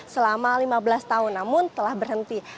selama lima belas tahun namun telah berhenti